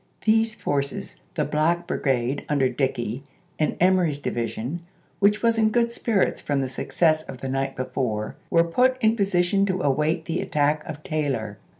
These forces, the black brigade under Dickey, and Emory's division, which was in good spirits from the success of the night before, were put in position to await the at tack of Taylor.